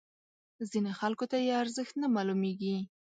ځینو خلکو ته یې ارزښت نه معلومیږي.